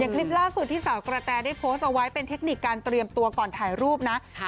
คลิปล่าสุดที่สาวกระแตได้โพสต์เอาไว้เป็นเทคนิคการเตรียมตัวก่อนถ่ายรูปนะ